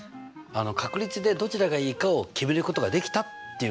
確率でどちらがいいかを決めることができたっていうことだよね。